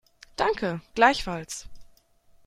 Danke, gleichfalls.